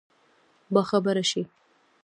باخبره شي.